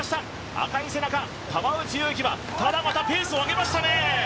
赤い背中、川内優輝は、ただ、またペースを上げましたね。